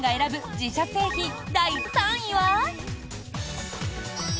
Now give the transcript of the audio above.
自社製品第３位は。